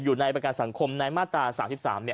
อยู่ในประกันสังคมในมาตรา๓๓เนี่ย